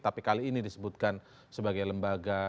tapi kali ini disebutkan sebagai lembaga